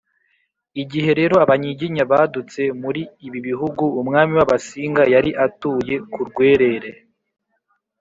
igihe rero abanyiginya badutse muri ibi bihugu, umwami w’abasinga yari atuye ku rwerere